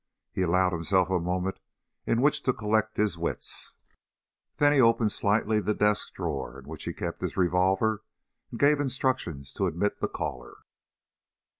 He allowed himself a moment in which to collect his wits, then he opened slightly the desk drawer in which he kept his revolver and gave instructions to admit the caller.